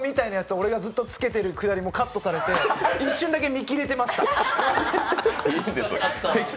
俺がずっとつけてる下りも全部カットされて一瞬だけ見切れてました。